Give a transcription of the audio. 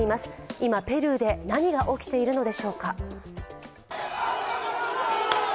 今、ペルーで何が起きているのでしょうか。